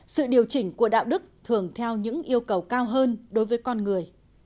sự điều chỉnh của đạo đức thường theo những yêu cầu cao hơn đối với con người